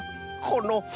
この。